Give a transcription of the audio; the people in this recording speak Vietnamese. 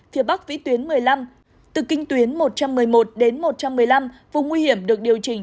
phía bắc vĩ tuyến một mươi năm từ kinh tuyến một trăm một mươi một đến một trăm một mươi năm vùng nguy hiểm được điều chỉnh